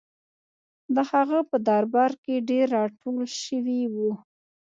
د هغه په درباره کې ډېر راټول شوي وو.